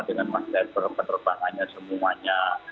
dengan masyarakat penerbangannya semuanya